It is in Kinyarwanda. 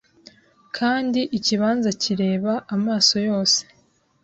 Kandi ikibanza kireba amaso yose